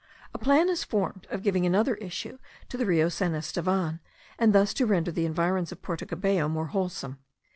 A plan is formed of giving another issue to the Rio San Estevan, and thus to render the environs of Porto Cabello more wholesome.